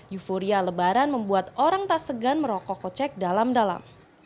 euforia lebaran membuat orang tak segan merokok kocek dalam dalam